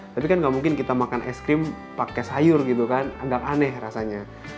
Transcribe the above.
tapi kan gak mungkin kita makan es krim pakai sayur gitu kan agak aneh rasanya